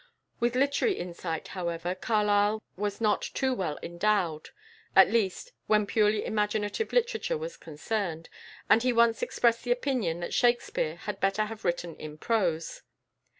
With literary insight, however, Carlyle was not too well endowed, at least, when purely imaginative literature was concerned, and he once expressed the opinion that Shakspere had better have written in prose.